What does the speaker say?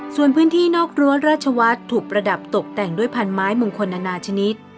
ส่วนพื้นที่นอกรั้วราชวัฒน์ถูกประดับตกแต่งด้วยพันไม้มงคลนานาชนิด